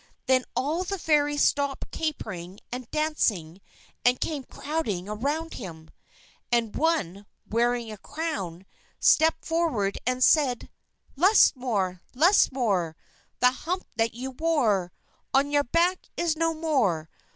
Then all the Fairies stopped capering and dancing, and came crowding around him. And one, wearing a crown, stepped forward and said: "_Lusmore! Lusmore! The hump that you wore, On your back is no more.